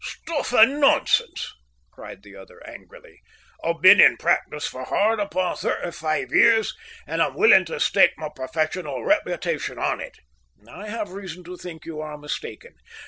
"Stuff and nonsense!" cried the other angrily. "I've been in practice for hard upon thirty five years, and I'm willing to stake my professional reputation on it." "I have reason to think you are mistaken."